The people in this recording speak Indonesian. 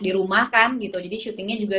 di rumah kan gitu jadi shootingnya juga